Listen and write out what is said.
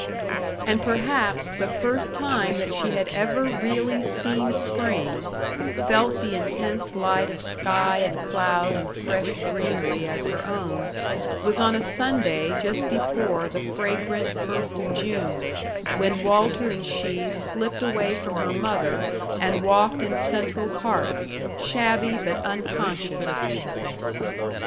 And perhaps the first time that she had ever really seen spring, felt the intense light of sky and cloud and fresh greenery as her own, was on a Sunday just before the fragrant first of June, when Walter and she slipped away from her mother and walked in Central Park, shabby but unconscious.